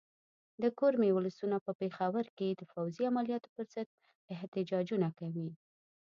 د کرمې ولسونه په پېښور کې د فوځي عملیاتو پر ضد احتجاجونه کوي.